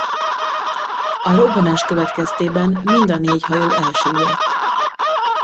A robbanás következtében mind a négy hajó elsüllyedt.